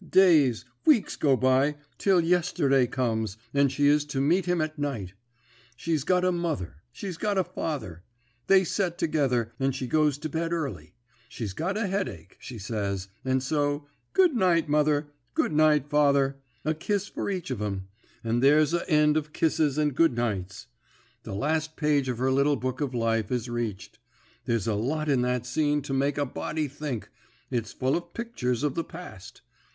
Days, weeks go by, till yesterday comes, and she is to meet him at night. She's got a mother, she's got a father; they set together, and she goes to bed early. She's got a headache, she says, and so, "Good night, mother; good night, father;" a kiss for each of 'em; and there's a end of kisses and good nights. The last page of her little book of life is reached. There's a lot in that scene to make a body think it's full of pictures of the past.